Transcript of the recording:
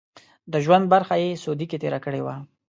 د ژوند برخه یې سعودي کې تېره کړې وه.